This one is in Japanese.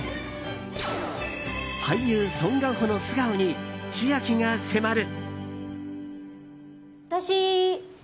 俳優ソン・ガンホの素顔に千秋が迫る。